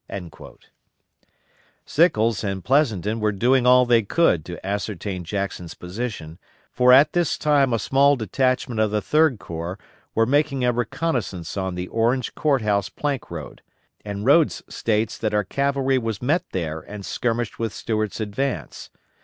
"_ Sickles and Pleasonton were doing all they could to ascertain Jackson's position, for at this time a small detachment of the Third Corps were making a reconnoissance on the Orange Court House Plank Road, and Rodes states that our cavalry was met there and skirmished with Stuart's advance.